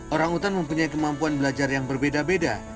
orang utan mempunyai kemampuan belajar yang berbeda beda